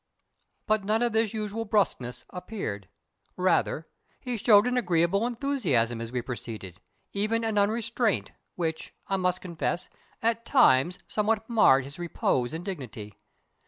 But none of this usual brusqueness appeared. Rather, he showed an agreeable enthusiasm as we proceeded even an unrestraint, which, I must confess, at times somewhat marred his repose and dignity.